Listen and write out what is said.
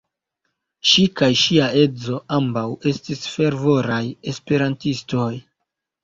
Ŝi kaj ŝia edzo ambaŭ estis fervoraj esperantistoj.